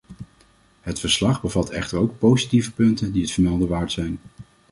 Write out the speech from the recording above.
Het verslag bevat echter ook positieve punten die het vermelden waard zijn.